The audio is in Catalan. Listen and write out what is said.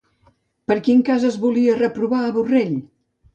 Per quin cas es volia reprovar a Borrell?